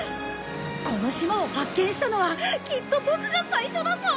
この島を発見したのはきっとボクが最初だぞ。